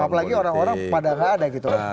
apalagi orang orang pada nggak ada gitu kan